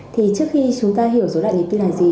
thì trước khi chúng ta hiểu dối loạn nhịp tim là gì